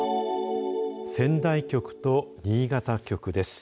仙台局と新潟局です。